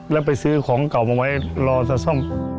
แล้วไปซื้อของเก่ามาไว้รอจะซ่อม